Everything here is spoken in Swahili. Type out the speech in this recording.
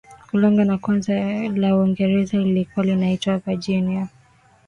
koloni la kwanza la uingereza lilikuwa linaitwa virginia